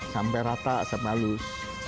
sampai rata sampai halus